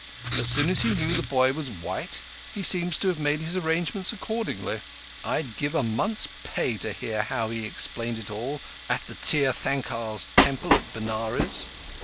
As soon as he knew the boy was white he seems to have made his arrangements accordingly. I'd give a month's pay to hear how he explained it all at the Tirthankars' Temple at Benares.